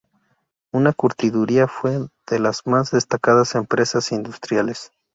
Una curtiduría fue de las más destacadas empresas industriales.